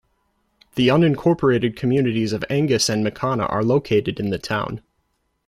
The unincorporated communities of Angus and Mikana are located in the town.